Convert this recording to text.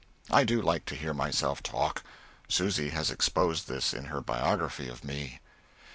I do like to hear myself talk. Susy has exposed this in her Biography of me.